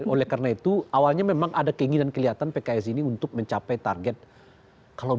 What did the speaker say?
oleh karena itu awalnya memang ada keinginan kelihatan pks ini untuk mencapai target kalau